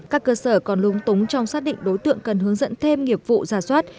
các cơ sở còn lúng túng trong xác định đối tượng cần hướng dẫn thêm nghiệp vụ giả soát